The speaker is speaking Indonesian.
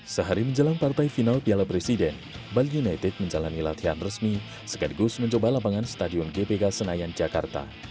sehari menjelang partai final piala presiden bali united menjalani latihan resmi segadigus mencoba lapangan stadion gbk senayan jakarta